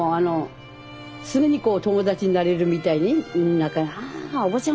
すぐに友達になれるみたいに「あおばちゃん